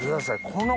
この。